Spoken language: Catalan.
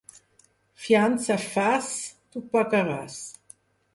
Fiança fas? Tu pagaràs.